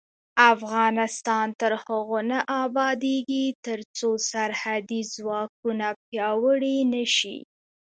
افغانستان تر هغو نه ابادیږي، ترڅو سرحدي ځواکونه پیاوړي نشي.